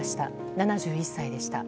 ７１歳でした。